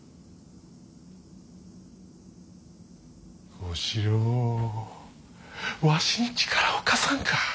小四郎わしに力を貸さんか。